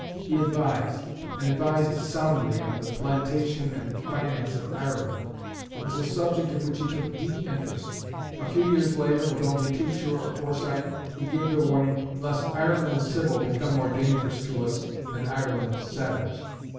He advised, and advised soundly, on the plantation and finance of Ireland. It was a subject in which he took deep interest. A few years later, with only too sure a foresight, he gave the warning, "lest Ireland civil become more dangerous to us than Ireland savage."